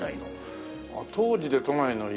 当時で都内の家。